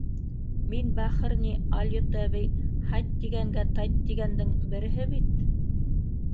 Мин бахыр ни, алйот әбей, һайт тигәнгә тайт тигәндең береһе бит.